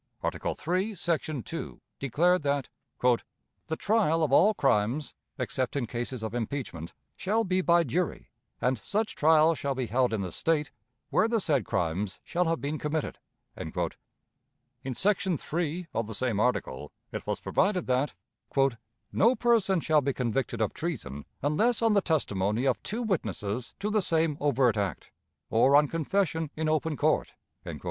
Article III, section 2, declared that "The trial of all crimes, except in cases of impeachment, shall be by jury; and such trial shall be held in the State where the said crimes shall have been committed." In section 3, of the same article, it was provided that "No person shall be convicted of treason unless on the testimony of two witnesses to the same overt act, or on confession in open court."